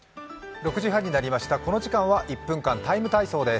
６時半になりました、この時間は「１分間ＴＩＭＥ，体操」です。